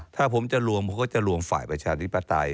ถ้าผมจะรวมเขาก็จะรวมฝ่ายประชาธิปไตย